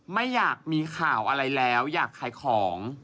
ไม่อยากมีข่าวอะไรแล้วอยากขายของ